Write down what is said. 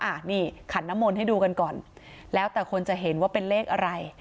อันนี้ขันน้ำมนต์ให้ดูกันก่อนแล้วแต่คนจะเห็นว่าเป็นเลขอะไร